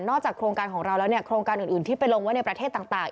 โครงการของเราแล้วเนี่ยโครงการอื่นที่ไปลงไว้ในประเทศต่าง